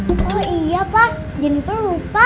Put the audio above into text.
oh iya pak jenifer lupa